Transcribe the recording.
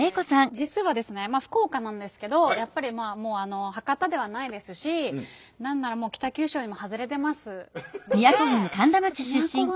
実はですね福岡なんですけどやっぱり博多ではないですし何ならもう北九州よりも外れてますので「ちょっと京都郡」